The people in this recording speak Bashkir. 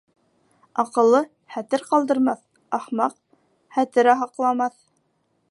Аҡыллы хәтер ҡалдырмаҫ, ахмаҡ хәтер һаҡламаҫ.